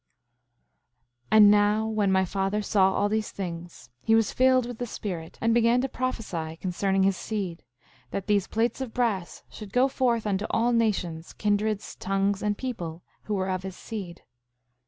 5:17 And now when my father saw all these things, he was filled with the Spirit, and began to prophesy concerning his seed— 5:18 That these plates of brass should go forth unto all nations, kindreds, tongues, and people who were of his seed.